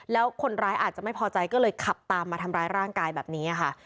แล้วคนร้ายอาจจะไม่พอใจก็เลยขับตามมาทำร้ายร่างกายแบบนี้ค่ะ